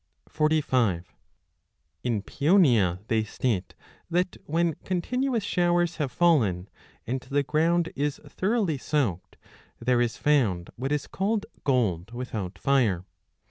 In Paeonia they state that when continuous showers have 45 fallen, and the ground is thoroughly soaked, there is found what is called gold without fire.